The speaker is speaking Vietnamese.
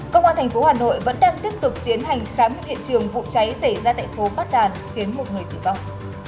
công an thành phố hà nội vẫn đang tiếp tục tiến hành khám hiện trường vụ cháy xảy ra tại phố bát đàn khiến một người tự vọng